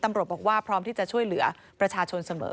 ตำรวจบอกว่าพร้อมที่จะช่วยเหลือประชาชนเสมอ